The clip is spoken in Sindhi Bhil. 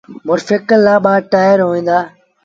موٽر سآئيٚڪل رآٻآ ٽآئير اوهيݩ۔